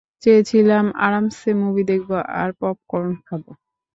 চেয়েছিলাম আরামসে মুভি দেখব আর পপকর্ন খাব।